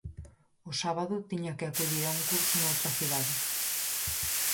O sábado tiña que acudir a un curso noutra cidade.